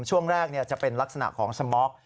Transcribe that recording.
ช่วงแรกจะเป็นลักษณะของสม็อก